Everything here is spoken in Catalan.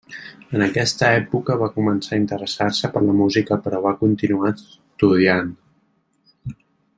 En aquesta època va començar a interessar-se per la música però va continuar estudiant.